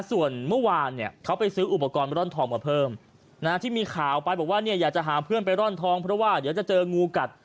ส่วนเมื่อวานเนี่ยเขาไปซื้ออุปกรณ์ร่อนทองมาเพิ่มนะที่มีข่าวไปบอกว่าเนี่ยอยากจะหาเพื่อนไปร่อนทองเพราะว่าเดี๋ยวจะเจองูกัด